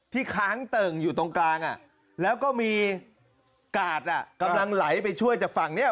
ค้างเติ่งอยู่ตรงกลางแล้วก็มีกาดกำลังไหลไปช่วยจากฝั่งนี้